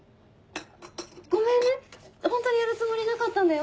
ごめんねホントにやるつもりなかったんだよ。